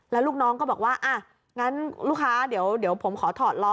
แล้วลูกน้องก็บอกว่าอ่ะงั้นลูกค้าเดี๋ยวผมขอถอดล้อ